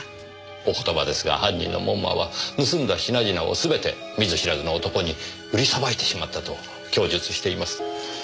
お言葉ですが犯人の門馬は盗んだ品々を全て見ず知らずの男に売りさばいてしまったと供述しています。